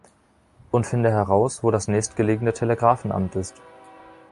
Und finde heraus, wo das nächstgelegene Telegraphenamt ist.